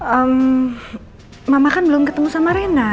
mama kan belum ketemu sama rena